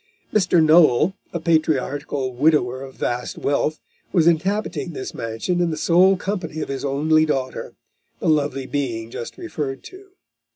Mr. Noel, a patriarchal widower of vast wealth, was inhabiting this mansion in the sole company of his only daughter, the lovely being just referred to.